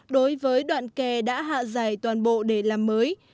đối với đoạn kè đã hạ giải toàn bộ để làm mới